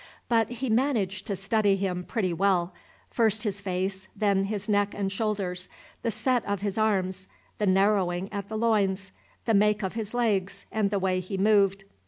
But he managed to study him pretty well, first his face, then his neck and shoulders, the set of his arms, the narrowing at the loins, the make of his legs, and the way he moved.